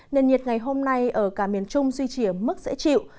nền nhiệt ngày hôm nay ở cả miền trung duy trì ở mức dễ chịu